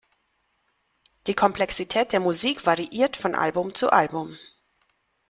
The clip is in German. Die Komplexität der Musik variiert von Album zu Album.